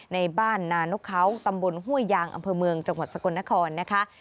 ในบ้านนานกเขาตำบลห้วยยางอำเภอเมืองจังหวัดสกลนครนะคะ